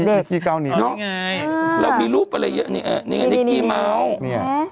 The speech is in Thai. นิกกี้เก้านิ้วแล้วมีรูปอะไรเยอะนี่ไงนิกกี้เมาส์